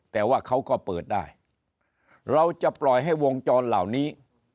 แต่ว่าเขาก็เปิดได้เราจะปล่อยให้วงจรเหล่านี้